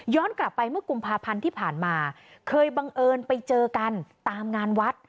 กลับไปเมื่อกุมภาพันธ์ที่ผ่านมาเคยบังเอิญไปเจอกันตามงานวัด